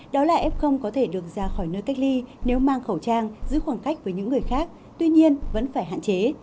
đó là f có thể được ra khỏi nơi cách ly nếu mang khẩu trang giữ khoảng cách với những người khác tuy nhiên vẫn phải hạn chế